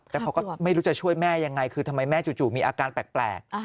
แต่เขาก็ไม่รู้จะช่วยแม่ยังไงคือทำไมแม่จู่มีอาการแปลก